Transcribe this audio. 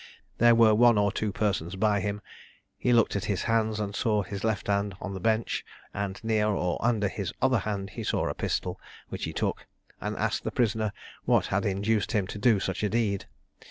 There were one or two persons by him; he looked at his hands, and saw his left hand on the bench; and near or under his other hand he saw a pistol, which he took, and asked the prisoner what had induced him to do such a deed?